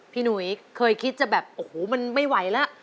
พี่หนุ๋ยเคยคิดจะแบบโอ้คูมันไม่ไหวละ